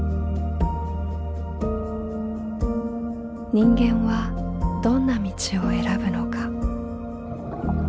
人間はどんな道を選ぶのか。